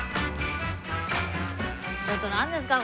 ちょっと何ですか？